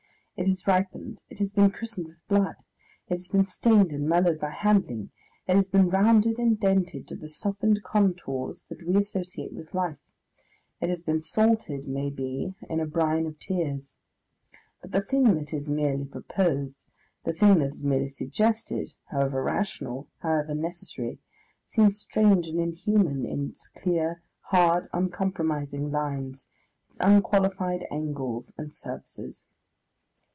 It has ripened, it has been christened with blood, it has been stained and mellowed by handling, it has been rounded and dented to the softened contours that we associate with life; it has been salted, maybe, in a brine of tears. But the thing that is merely proposed, the thing that is merely suggested, however rational, however necessary, seems strange and inhuman in its clear, hard, uncompromising lines, its unqualified angles and surfaces.